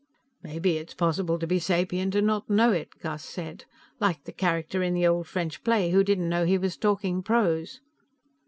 "Maybe it's possible to be sapient and not know it," Gus said. "Like the character in the old French play who didn't know he was talking prose."